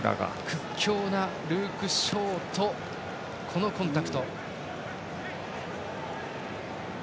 屈強なルーク・ショーとコンタクト。